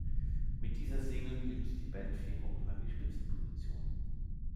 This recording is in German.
Mit dieser Single hielt die Band vier Wochen lang die Spitzenposition.